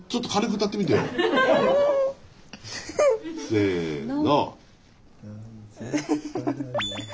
せの。